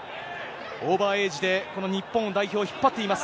オーバーエイジで、この日本代表を引っ張っています。